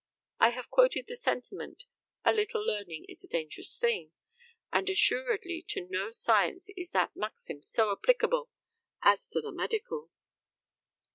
I have quoted the sentiment, "a little learning is a dangerous thing," and assuredly to no science is that maxim so applicable as to the medical.